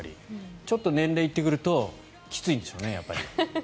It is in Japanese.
ちょっと年齢が行ってくるときついんでしょうね。